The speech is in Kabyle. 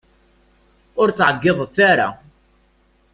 Ur ttɛeggiḍet ara!